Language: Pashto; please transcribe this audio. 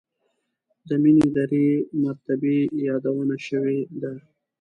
د مینې درې مرتبې یادونه شوې ده.